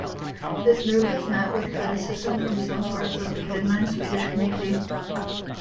This move has met with criticism from some parts of the Finland-Swedish community.